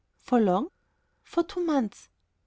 "For long?" "For two months."